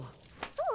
そう？